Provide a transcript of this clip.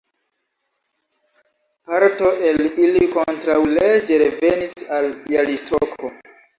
Parto el ili kontraŭleĝe revenis al Bjalistoko.